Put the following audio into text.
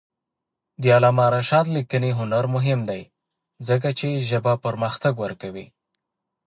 د علامه رشاد لیکنی هنر مهم دی ځکه چې ژبه پرمختګ ورکوي.